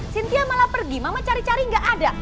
sitiah malah pergi mama cari cari gak ada